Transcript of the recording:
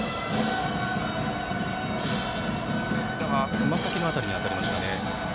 つま先の辺りに当たりましたね。